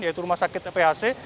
yaitu rumah sakit phc